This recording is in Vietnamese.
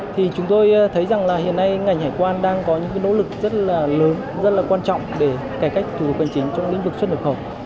thì chúng tôi thấy rằng là hiện nay ngành hải quan đang có những nỗ lực rất là lớn rất là quan trọng để cải cách thủ tục hành chính trong lĩnh vực xuất nhập khẩu